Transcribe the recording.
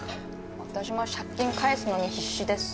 私も借金返すのに必死です。